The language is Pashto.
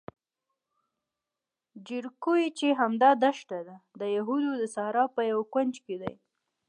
جیریکو چې همدا دښته ده، د یهودو د صحرا په یوه کونج کې دی.